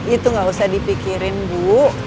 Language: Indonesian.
itu gak usah dipikirin bu